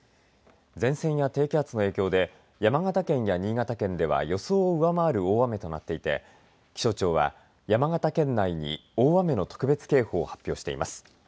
前線や低気圧の影響で山形県や新潟県では予想を上回る大雨となっていて気象庁は山形県内に大雨の特別警報を発表しています。